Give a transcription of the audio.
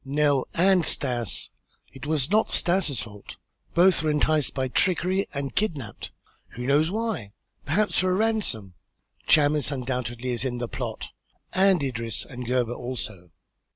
"Nell and Stas! It was not Stas' fault. Both were enticed by trickery and kidnapped. Who knows why? Perhaps for a ransom. Chamis undoubtedly is in the plot, and Idris and Gebhr also."